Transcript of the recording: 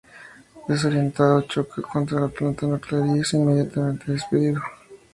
Desorientado, choca contra la Planta Nuclear, y es inmediatamente despedido.